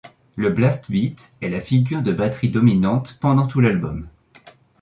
Le blast beat est la figure de batterie dominante pendant tout l'album.